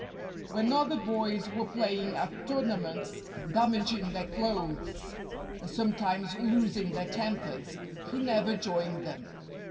When other boys were playing at tournaments, damaging their clothes, and sometimes losing their tempers, he never joined them.